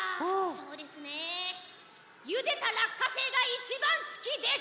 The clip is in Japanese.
そうですねゆでたらっかせいがいちばんすきです！